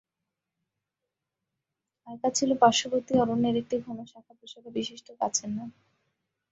আয়কা ছিল পার্শ্ববর্তী অরণ্যের একটি ঘন শাখা-প্রশাখা বিশিষ্ট গাছের নাম।